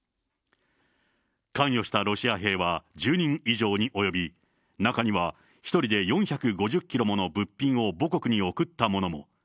関与したロシア兵は１０人以上に及び、中には１人で４５０キロもの物品を母国に送った者も。